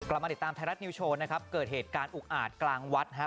มาติดตามไทยรัฐนิวโชว์นะครับเกิดเหตุการณ์อุกอาจกลางวัดฮะ